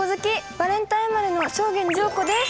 バレンタイン生まれの正源司陽子です。